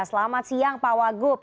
selamat siang pak wagub